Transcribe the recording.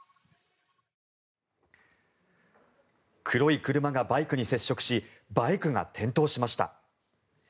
黒い車がバイクに接触しバイクが転倒しました。